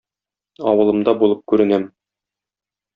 Авылымда булып күренәм!